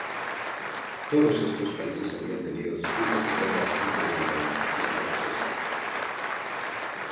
Todas estos países habían tenido disputas y guerras antes de la colonización francesa.